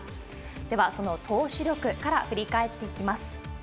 では、その投手力から振り返っていきます。